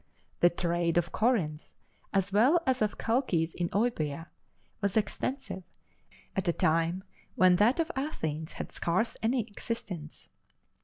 The trade of Corinth, as well as of Chalcis in Euboea, was extensive, at a time when that of Athens had scarce any existence.